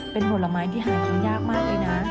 เป็นผลไม้ที่หากินยากมากเลยนะ